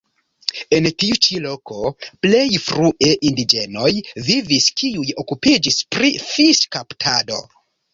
En tiu ĉi loko plej frue indiĝenoj vivis, kiuj okupiĝis pri fiŝkaptado.